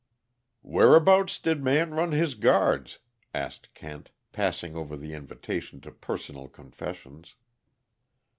_" "Whereabouts did Man run his guards?" asked Kent, passing over the invitation to personal confessions.